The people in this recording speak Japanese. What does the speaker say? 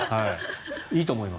いいと思います。